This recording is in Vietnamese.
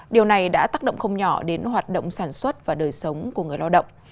điều này đã tác động không nhỏ đến hoạt động sản xuất và đời sống của người lao động